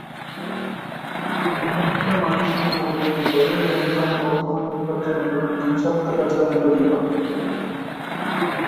Veronica মানসিক ভাবে ভেঙে পড়ে এবং ক্রমবর্ধমান বিপজ্জনক এবং ধ্বংসাত্মক আচরণে জড়িয়ে পড়ে।